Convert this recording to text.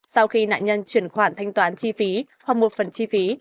sau khi nạn nhân chuyển khoản thanh toán chi phí hoặc một phần chi phí